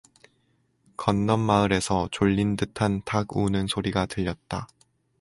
건넛마을에서 졸린 듯한 닭 우는 소리가 들렸다.